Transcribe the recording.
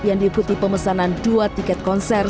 yang diikuti pemesanan dua tiket konser